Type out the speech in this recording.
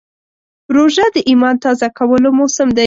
روژه د ایمان تازه کولو موسم دی.